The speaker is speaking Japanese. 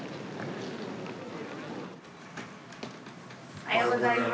おはようございます。